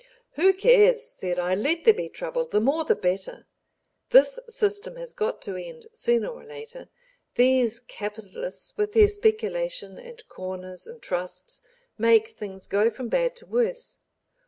"Who cares?" said I. "Let there be trouble—the more the better. This system has got to end, sooner or later. These capitalists with their speculation and corners and trusts make things go from bad to worse.